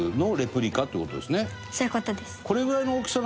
そういう事です。